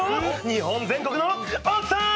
日本全国の奥さーん！